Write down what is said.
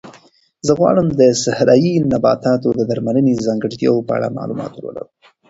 زه غواړم چې د صحرایي نباتاتو د درملنې د ځانګړتیاوو په اړه معلومات ولولم.